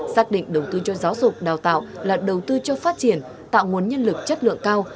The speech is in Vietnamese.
xác định đầu tư cho giáo dục đào tạo là đầu tư cho phát triển tạo nguồn nhân lực chất lượng cao